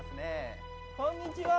こんにちは。